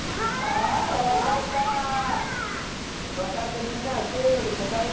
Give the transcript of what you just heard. わかったみんなせのでこたえよう！